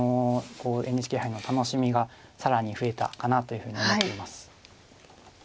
ＮＨＫ杯の楽しみが更に増えたかなというふうに思っています。